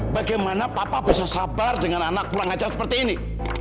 bagaimana papa bisa sabar dengan anak pulang aja seperti ini